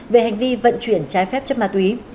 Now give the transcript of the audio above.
về hành vi vận chuyển trái phép chất ma túy